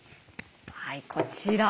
はいこちら。